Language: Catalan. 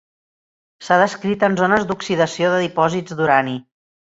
S’ha descrit en zones d’oxidació de dipòsits d’urani.